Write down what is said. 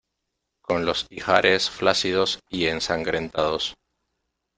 con los ijares flácidos y ensangrentados,